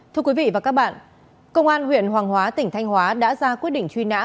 thưa quý vị và các bạn công an huyện hoàng hóa tỉnh thanh hóa đã ra quyết định truy nã